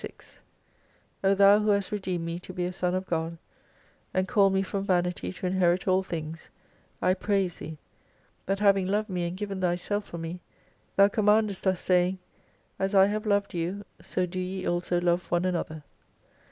96 O Thou who hast redeemed me to be a Son of God, and called me from vanity to inherit all things, I praise Thee, that having loved me and given Thyself for me. Thou commandest us saying, As I have loved vou, so do ve also love one another.